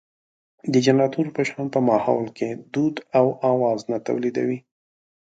د جنراتور په شان په ماحول کې دود او اواز نه تولېدوي.